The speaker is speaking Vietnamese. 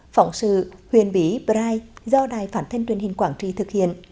phóng sự huyền bí bright do đài phản thân truyền hình quảng trì thực hiện